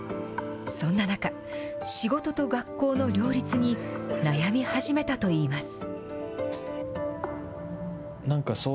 そんな中、仕事と学校の両立に悩み始めたといいます。